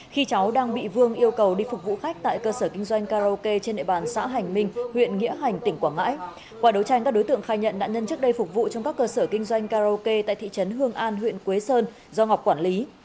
khi cháu đang bị vương yêu cầu đi phục vụ khách tại cơ sở kinh doanh karaoke trên địa bàn xã hành minh huyện nghĩa hành tỉnh quảng ngãi qua đấu tranh các đối tượng khai nhận nạn nhân trước đây phục vụ trong các cơ sở kinh doanh karaoke tại thị trấn hương an huyện quế sơn do ngọc quản lý